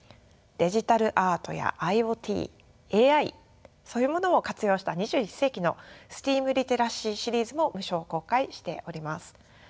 デジタルアートやＩｏＴＡＩそういうものを活用した２１世紀のＳＴＥＡＭリテラシーシリーズも無償公開しております。